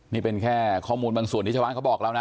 นี่เป็นแค่ข้อมูลบางส่วนที่ชาวบ้านเขาบอกแล้วนะ